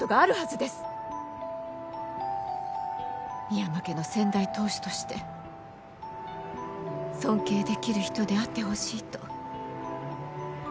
深山家の先代当主として尊敬できる人であってほしいと私は思います。